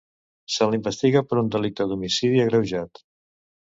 Se l'investiga per un delicte d'homicidi agreujat.